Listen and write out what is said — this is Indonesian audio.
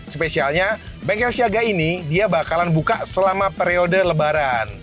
spesialnya bengkel siaga ini dia bakalan buka selama periode lebaran